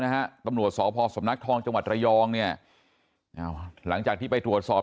นะฮะตำรวจสพสำนักทองจังหวัดระยองเนี่ยอ้าวหลังจากที่ไปตรวจสอบ